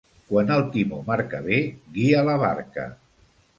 Quan el timó marca bé guia la barca.